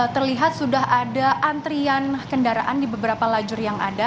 terlihat sudah ada antrian kendaraan di beberapa lajur yang ada